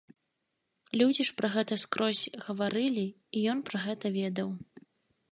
Людзі ж пра гэта скрозь гаварылі, і ён пра гэта ведаў.